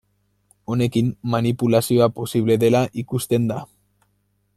Honekin, manipulazioa posible dela ikusten da.